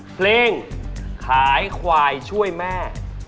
เพลงขายควายช่วยแม่